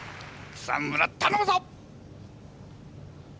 草村頼むぞっ！